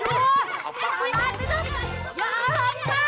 ya allah pak